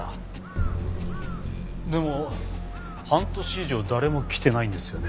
でも半年以上誰も来てないんですよね？